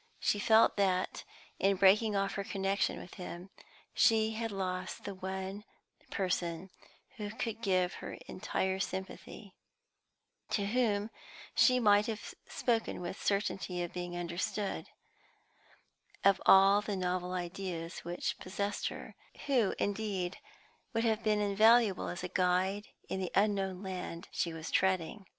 She felt that, in breaking off her connection with him, she had lost the one person who could give her entire sympathy; to whom she might have spoken with certainty of being understood, of all the novel ideas which possessed her; who, indeed, would have been invaluable as a guide in the unknown land she was treading.